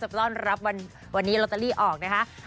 ต้อนรับวันนี้ลอตเตอรี่ออกนะคะ